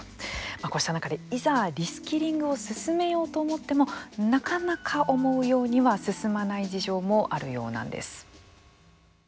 こうした中でいざリスキリングを進めようと思ってもなかなか思うようには進まない事情もあるようなんです。